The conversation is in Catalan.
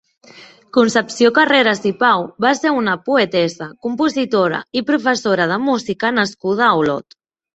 Concepció Carreras i Pau va ser una poetessa, compositora i professora de música nascuda a Olot.